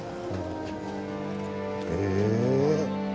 へえ。